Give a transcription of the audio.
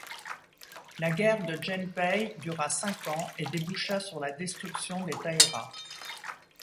La guerre de Genpei dura cinq ans et déboucha sur la destruction des Taira.